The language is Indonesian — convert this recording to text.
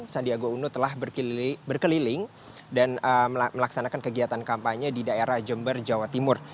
sandiaga uno telah berkeliling dan melaksanakan kegiatan kampanye di daerah jember jawa timur